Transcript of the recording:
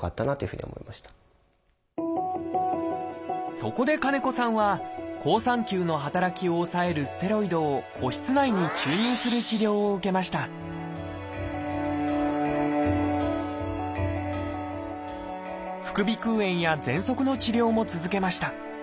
そこで金子さんは好酸球の働きを抑えるステロイドを鼓室内に注入する治療を受けました副鼻腔炎やぜんそくの治療も続けました。